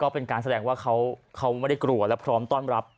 เป็นการแสดงว่าเขาไม่ได้กลัวและพร้อมต้อนรับ